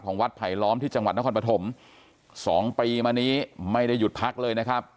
วัดไผลล้อมที่จังหวัดนครปฐม๒ปีมานี้ไม่ได้หยุดพักเลยนะครับ